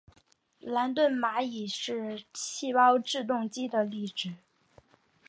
兰顿蚂蚁是细胞自动机的例子。